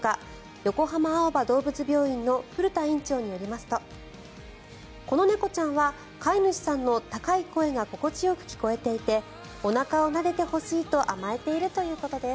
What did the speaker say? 横浜青葉どうぶつ病院の古田院長によりますとこの猫ちゃんは飼い主さんの高い声が心地よく聞こえていておなかをなでてほしいと甘えているということです。